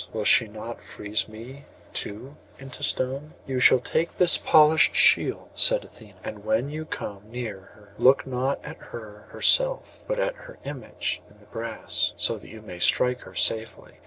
Will she not freeze me too into stone?' 'You shall take this polished shield,' said Athené, 'and when you come near her look not at her herself, but at her image in the brass; so you may strike her safely.